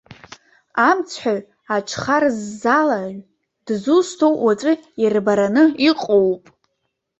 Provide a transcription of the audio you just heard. Амцҳәаҩ, аҽхарззалаҩ дызусҭоу уаҵәы ирбараны иҟоуп!